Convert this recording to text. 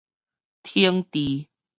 懲治